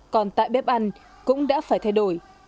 còn tại bếp ăn cũng đã phải thay đổi